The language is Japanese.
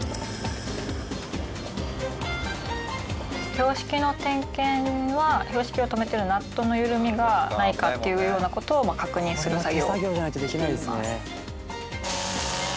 標識の点検は標識をとめているナットのゆるみがないかっていうような事を確認する作業。